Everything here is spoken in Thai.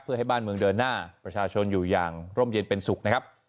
เพื่อให้บ้านเมืองเดินหน้าประชาชนอยู่อย่างร่มเย็นเป็นสุขนะครับ